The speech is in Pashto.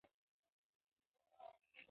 د کونډو او يتيمانو حق مه خورئ